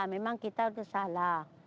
memang kita salah